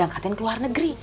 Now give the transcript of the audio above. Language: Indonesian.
yang diangkatin ke luar negeri